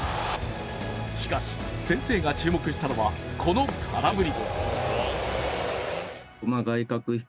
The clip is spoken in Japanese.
しかし、先生が注目したのは、この空振り。